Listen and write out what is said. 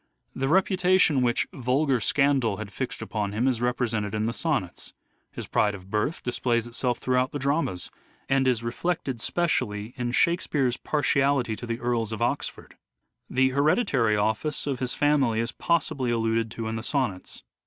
The reputation which " vulgar scandal " had fixed upon him is represented in the sonnets. His pride of birth displays itself throughout the dramas, and is reflected specially in Shakespeare's partiality to the Earls of Oxford. The hereditary office of his family is possibly alluded to in the sonnets.